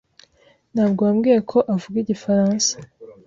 Ntabwo wambwiye ko avuga igifaransa